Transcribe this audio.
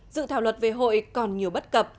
dự thảo luật về hội còn nhiều bất cập